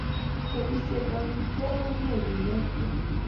chopishetab amitwogik ko mie kenetkwei